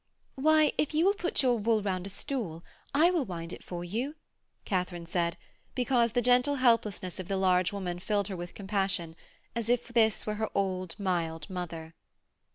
'Why, if you will put your wool round a stool, I will wind it for you,' Katharine said, because the gentle helplessness of the large woman filled her with compassion, as if this were her old, mild mother.